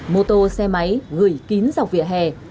mô tô xe máy gửi kín dọc vỉa hè